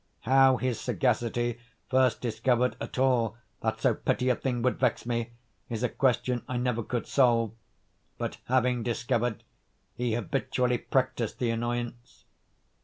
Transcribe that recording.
How his sagacity first discovered at all that so petty a thing would vex me, is a question I never could solve; but, having discovered, he habitually practised the annoyance.